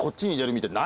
みたいな。